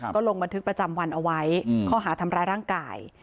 ก็ลงบันทึกประจำวันเอาไว้ข้อหาทำร้ายร่างกาย